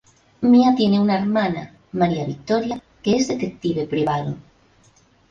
Mia tiene una hermana, María Victoria, que es detective privado.